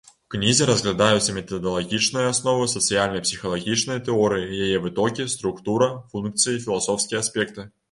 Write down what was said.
У кнізе разглядаюцца метадалагічныя асновы сацыяльна-псіхалагічнай тэорыі, яе вытокі, структура, функцыі, філасофскія аспекты.